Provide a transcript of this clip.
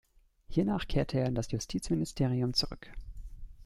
Hiernach kehrte er in das Justizministerium zurück.